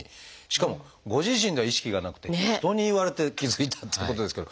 しかもご自身では意識がなくて人に言われて気付いたってことですけど。